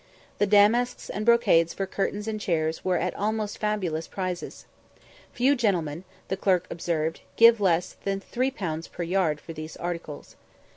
The damasks and brocades for curtains and chairs were at almost fabulous prices. Few gentlemen, the clerk observed, give less than 3_l._ per yard for these articles.